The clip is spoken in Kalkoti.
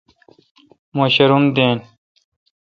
مہ شاروم دین۔